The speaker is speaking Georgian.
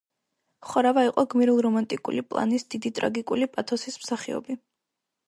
ხორავა იყო გმირულ-რომანტიკული პლანის, დიდი ტრაგიკული პათოსის მსახიობი.